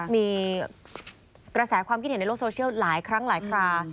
มีกระแสความคิดเห็นในโลกโซเชียลหลายครั้งหลายครา